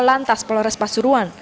lantas polores pasuruan